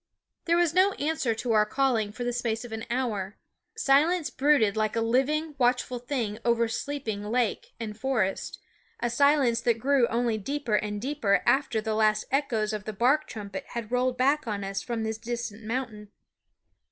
There was no answer to our calling for the space of an hour; silence brooded like a living, watchful thing over sleeping lake and forest, a THE WOODS 9 silence that grew only deeper and deeper after the last echoes of the bark trumpet had rolled back on us from the distant mountain.